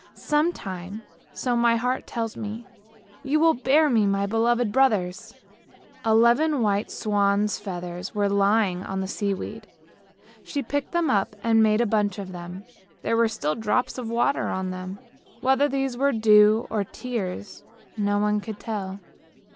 Some time, so my heart tells me, you will bear me to my beloved brothers! " Eleven white swans' feathers were lying on the sea weed; she picked them up and made a bunch of them. There were still drops of water on them. Whether these were dew or tears no one could tell.